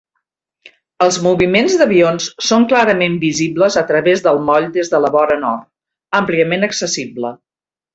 Els moviments d'avions són clarament visibles a través del moll des de la vora nord, àmpliament accessible.